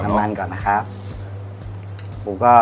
ใส่น้ำมันก่อนนะครับ